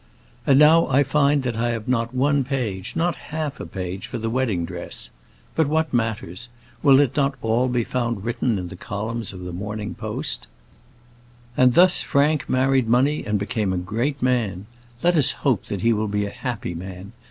And now I find that I have not one page not half a page for the wedding dress. But what matters? Will it not be all found written in the columns of the Morning Post? And thus Frank married money, and became a great man. Let us hope that he will be a happy man.